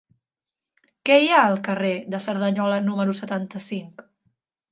Què hi ha al carrer de Cerdanyola número setanta-cinc?